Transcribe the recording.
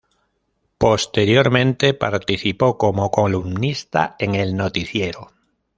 Posteriormente participo como columnista en el Noticiero.